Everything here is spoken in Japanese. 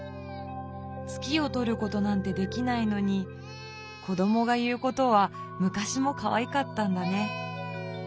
月を取ることなんてできないのに子どもが言うことはむかしもかわいかったんだね。